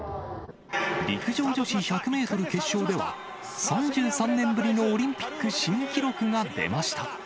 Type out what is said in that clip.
陸上女子１００メートル決勝では、３３年ぶりのオリンピック新記録が出ました。